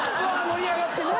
盛り上がってね。